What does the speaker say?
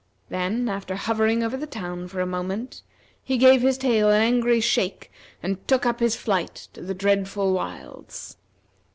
Then, after hovering over the town for a moment, he gave his tail an angry shake and took up his flight to the dreadful wilds.